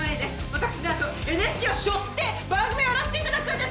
私なんとＮＨＫをしょって番組をやらせて頂くんです。